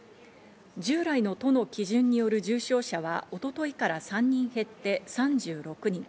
従来の都の基準による重症者は一昨日から３人減って３６人。